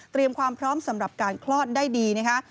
ความพร้อมสำหรับการคลอดได้ดีนะคะ